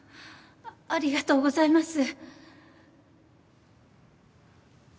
ありがとうございます。